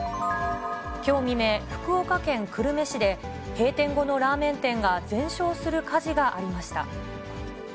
きょう未明、福岡県久留米市で、閉店後のラーメン店が全焼する火事がありまし